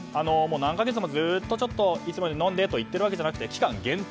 ずっと、いつもより飲んで！と言っているわけじゃなくて期間限定。